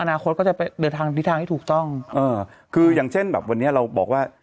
อนาคตก็จะไปเดินทางที่ทางที่ถูกต้องเออคืออย่างเช่นแบบวันนี้เราบอกว่า